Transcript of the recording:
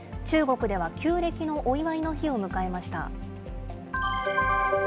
中国では、旧暦のお祝いの日を迎えました。